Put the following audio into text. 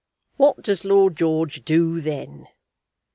What does Lord George do then?